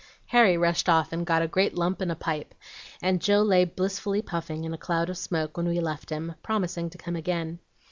"Harry rushed off and got a great lump and a pipe, and Joe lay blissfully puffing, in a cloud of smoke, when we left him, promising to come again.